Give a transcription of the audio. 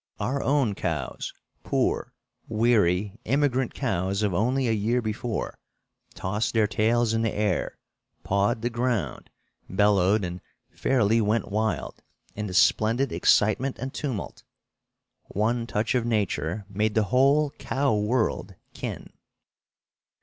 Our own cows, poor, weary, immigrant cows of only a year before, tossed their tails in the air, pawed the ground, bellowed and fairly went wild in the splendid excitement and tumult. One touch of nature made the whole cow world kin!